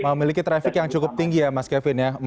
memiliki traffic yang cukup tinggi ya mas kevin ya